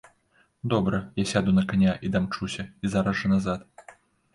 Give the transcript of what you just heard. Добра, я сяду на каня, і дамчуся, і зараз жа назад.